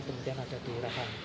kemudian ada di urahan